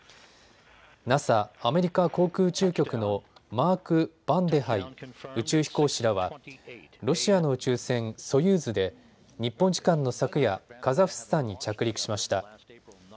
ＮＡＳＡ・アメリカ航空宇宙局のマーク・バンデハイ宇宙飛行士らはロシアの宇宙船、ソユーズで日本時間の昨夜、カザフスタンに着陸しました。